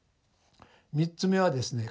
３つ目はですね